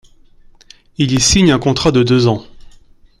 Il y signe un contrat de deux ans.